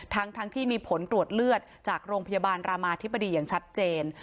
ทั้งที่มีผลตรวจเลือดจากโรงพยาบาลรามาธิบดีอย่างชัดเจน